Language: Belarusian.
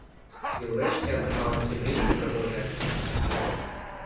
І ўрэшце атрымалася вельмі прыгожая кніга.